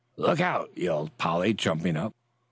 "Look out!" yelled Polly, jumping up.